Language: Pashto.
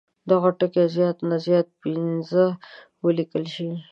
دغه ټکي زیات نه زیات پنځه ولیکل شي.